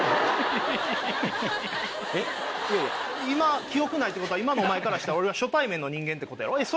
今記憶ないってことは今のお前からしたら俺は初対面の人間ってことやろ？